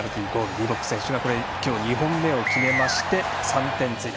リボック選手が今日２本目を決めまして３点追加。